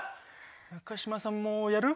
中島さんもやる？